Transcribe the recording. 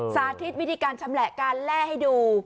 สาธิตวิธีการคำแหละกำแหละการสละให้ดู